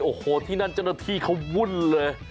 โอ้โหที่นั่นเจ้าหน้าที่เขาวุ่นเลย